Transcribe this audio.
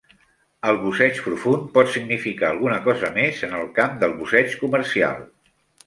El busseig profund pot significar alguna cosa més en el camp del busseig comercial.